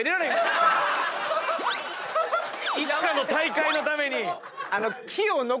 いつかの大会のために。